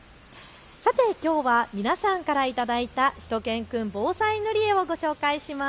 さて、きょうは皆さんから頂いたしゅと犬くん防災塗り絵をご紹介します。